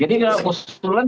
jadi kalau usulan